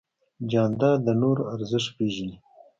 جانداد د نورو ارزښت پېژني.